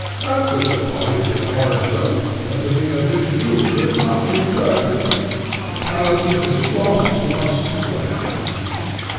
that was the point in the horoscope, the meaning of which you could not interpret. The talisman is lost to us for ever!"